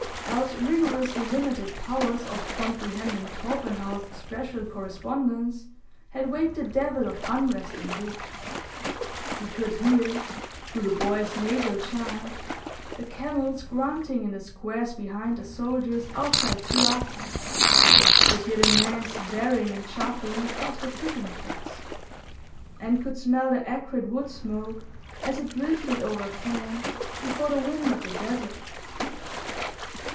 Alf's rigorously limited powers of comprehending Torpenhow's special correspondence had waked the devil of unrest in Dick. He could hear, through the boy's nasal chant, the camels grunting in the squares behind the soldiers outside Suakin; could hear the men swearing and chaffing across the cooking pots, and could smell the acrid wood smoke as it drifted over camp before the wind of the desert.